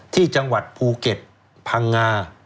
ที่จังหวัดภูเก็ตพังงา